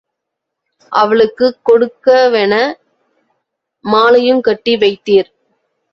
அவளுக்குக் கொடுக்கவென மாலையுங் கட்டி வைத்தீர்.